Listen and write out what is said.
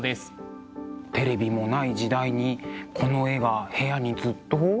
テレビもない時代にこの絵が部屋にずっと。